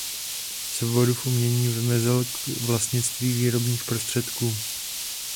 Svobodu v umění vymezil k vlastnictví výrobních prostředku.